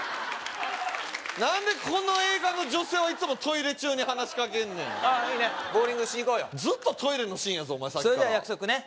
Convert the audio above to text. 何でこの映画の女性はいつもトイレ中に話しかけんねんああいいねボウリングしに行こうよずっとトイレのシーンやぞさっきからそれじゃ約束ね